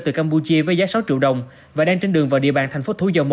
từ campuchia với giá sáu triệu đồng và đang trên đường vào địa bàn tp thủ dầu một